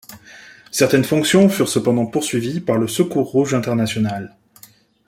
Certaines fonctions furent cependant poursuivies par le Secours rouge international.